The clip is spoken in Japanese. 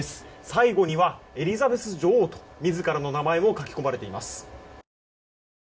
最後にはエリザベス女王と自らの名前を書き込まれています。